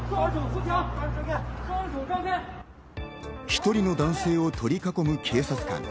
１人の男性を取り囲む警察官。